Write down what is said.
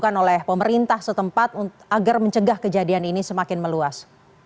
yang dilakukan oleh pemerintah setempat agar mencegah kejadian ini semakin meluas